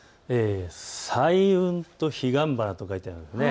彩雲とヒガンバナと書いてありますね。